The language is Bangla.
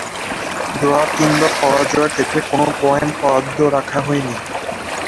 ড্র কিংবা পরাজয়ের ক্ষেত্রে কোন পয়েন্ট বরাদ্দ রাখা হয়নি।